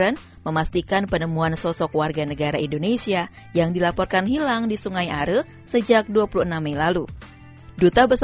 jasad emeril khan mumtaz